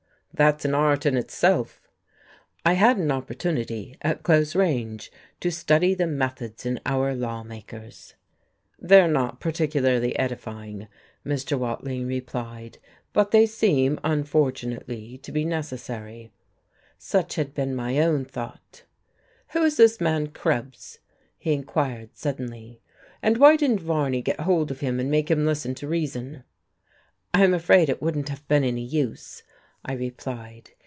"That's an art in itself." "I had an opportunity, at close range, to study the methods of our lawmakers." "They're not particularly edifying," Mr. Watling replied. "But they seem, unfortunately, to be necessary." Such had been my own thought. "Who is this man Krebs?" he inquired suddenly. "And why didn't Varney get hold of him and make him listen to reason?" "I'm afraid it wouldn't have been any use," I replied.